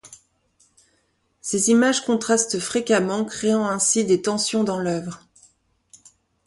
Ces images contrastent fréquemment, créant ainsi des tensions dans l’œuvre.